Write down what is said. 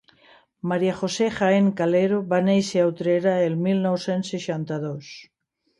Maria José Jaén Calero va néixer a Utrera, el mil nou-cents seixanta-dos